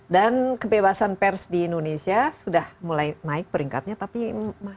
dan kebebasan pers di indonesia sudah mulai naik peringkatnya tapi masih